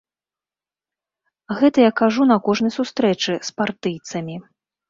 Гэта я кажу на кожнай сустрэчы з партыйцамі.